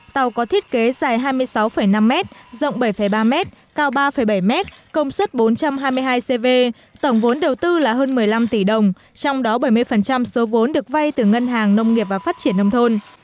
tàu có thiết kế dài hai mươi sáu năm m rộng bảy ba m cao ba bảy m công suất bốn trăm hai mươi hai cv tổng vốn đầu tư là hơn một mươi năm tỷ đồng trong đó bảy mươi số vốn được vay từ ngân hàng nông nghiệp và phát triển nông thôn